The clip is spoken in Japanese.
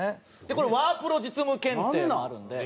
これワープロ実務検定もあるので。